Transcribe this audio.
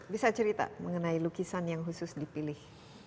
bisa cerita mengenai lukisan yang khusus dipilih